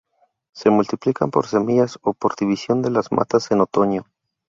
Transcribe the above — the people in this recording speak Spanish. Se multiplican por semillas o por división de las matas en otoño.